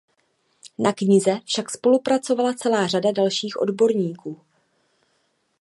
Na knize však spolupracovala celá řada dalších odborníků.